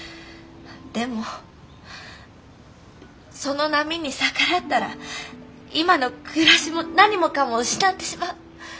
でもその波に逆らったら今の暮らしも何もかも失ってしまう。